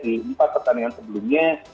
di empat pertandingan sebelumnya